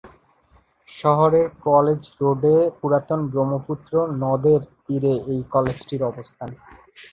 শহরের কলেজ রোডে পুরাতন ব্রহ্মপুত্র নদের তীরে এই কলেজটির অবস্থান।